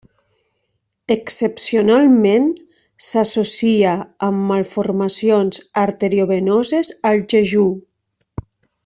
Excepcionalment, s'associa amb malformacions arteriovenoses al jejú.